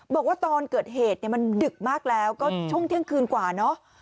บอกว่าตอนเกิดเหตุเนี่ยมันดึกมากแล้วก็ช่วงเที่ยงคืนกว่าเนอะ